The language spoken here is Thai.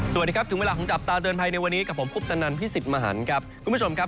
สวัสดีครับถึงเวลาของจับตาเตือนภัยในวันนี้กับผมคุณผู้ชมครับ